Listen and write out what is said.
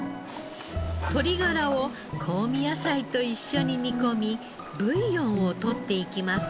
鶏ガラを香味野菜と一緒に煮込みブイヨンを取っていきます。